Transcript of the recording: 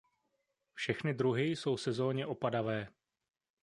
Všechny druhy jsou sezónně opadavé.